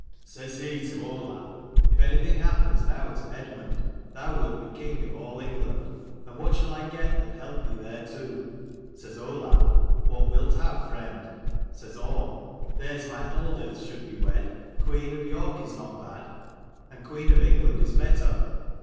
Says he to Olaf, If anything happens now to Eadmund, thou wilt be king of all England : and what shall I get that helped thee thereto ? Says Olaf, What wilt have, friend? Says Orm, There's my Aldith should be wed : queen of York is not bad, and queen of England is better.